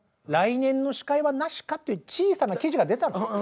来年の司会はなしか？」って小さな記事が出たの。